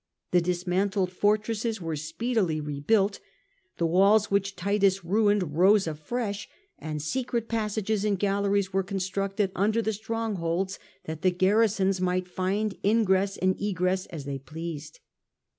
The dismantled fortresses were speedily rebuilt, the walls which Titus ruined rose afresh, and secret passages and galleries were constructed under the strongholds that the garrisons might find in gress and egress as they pleased.